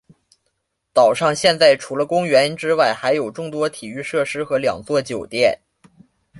岛上现在除了公园之外还有众多体育设施和两座酒店。